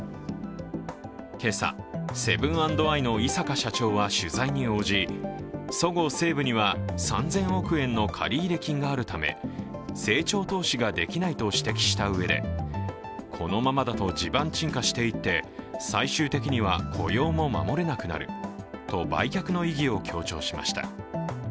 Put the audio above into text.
今朝、セブン＆アイの井阪社長は取材に応じ、３０００億円の借入金があるため成長投資ができないと指摘したうえでこのままだと地盤沈下していって最終的には雇用も守れなくなると売却の意義を強調しました。